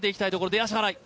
出足払い。